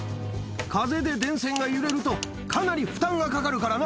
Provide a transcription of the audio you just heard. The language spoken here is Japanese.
風で電線が揺れると、かなり負担がかかるからな。